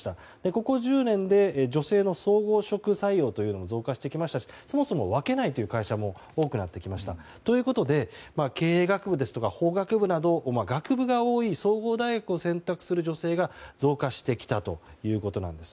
ここ１０年で女性の総合職採用も増加してきましたしそもそも分けないという会社も多くなってきました。ということで経営学部ですとか法学部など学部が多い総合大学を選択する女性が増加してきたということなんです。